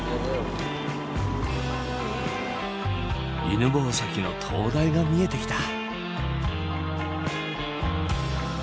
犬吠埼の灯台が見えてきた。